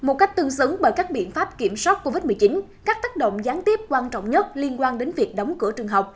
một cách tương xứng bởi các biện pháp kiểm soát covid một mươi chín các tác động gián tiếp quan trọng nhất liên quan đến việc đóng cửa trường học